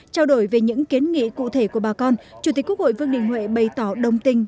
trao đổi về những kiến nghị cụ thể của bà con chủ tịch quốc hội vương đình huệ bày tỏ đồng tình